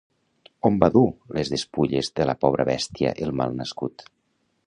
On va dur les despulles de la pobra bèstia el mal nascut?